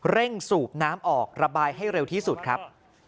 สูบน้ำออกระบายให้เร็วที่สุดครับ